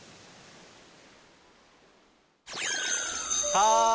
はい！